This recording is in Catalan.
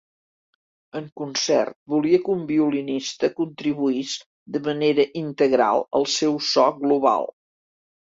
En concret, volia que un violinista contribuís de manera integral al seu so global.